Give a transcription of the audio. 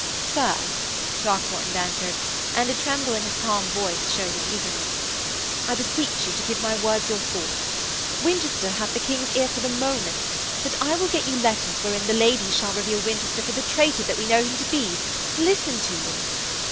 'Sir,' Throckmorton answered, and a tremble in his calm voice showed his eagerness, 'I beseech you to give my words your thoughts. Winchester hath the King's ear for the moment; but I will get you letters wherein these ladies shall reveal Winchester for the traitor that we know him to be. Listen to me....'